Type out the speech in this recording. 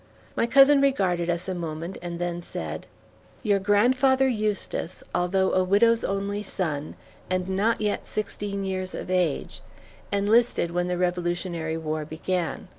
My cousin regarded us a moment and then said: "Your Grandfather Eustis, although a widow's only son, and not yet sixteen years of age, enlisted when the Revolutionary War began.